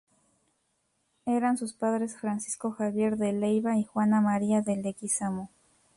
Eran sus padres Francisco Javier de Leyva y Juana María de Leguizamo.